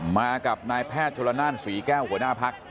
มากับนายแพทย์ชนละนานศรีแก้วหัวหน้าพัก